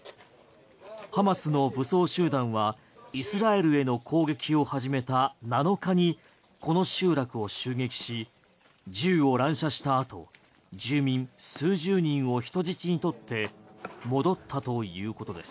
ハマスの武装集団はイスラエルへの攻撃を始めた７日にこの集落を襲撃し銃を乱射したあと住民数十人を人質に取って戻ったということです。